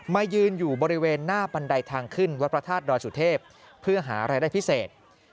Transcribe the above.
ยืนอยู่บริเวณหน้าบันไดทางขึ้นวัดพระธาตุดอยสุเทพเพื่อหารายได้พิเศษ